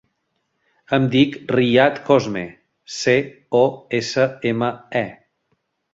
Em dic Riyad Cosme: ce, o, essa, ema, e.